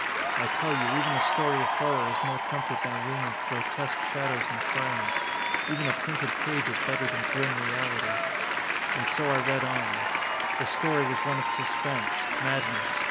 I tell you, even a story of horror is more comfort than a room of grotesque shadows and silence. Even a printed page is better than grim reality! And so I read on. The story was one of suspense, madness.